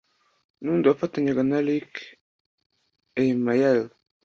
n’ubundi wafatanyaga na Luc Eymael